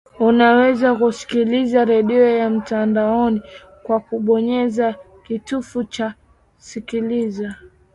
unaweza kusikiliza redio ya mtandaoni kwa kubonyeza kitufe cha sikiliza